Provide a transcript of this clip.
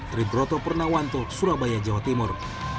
tribroto pernahwanto surabaya jawa timur